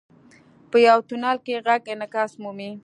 • په یو تونل کې ږغ انعکاس مومي.